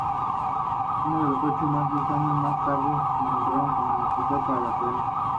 Unos ocho o diez años más tarde es contratado como escritor para la corona.